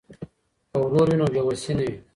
که ورور وي نو بې وسي نه وي.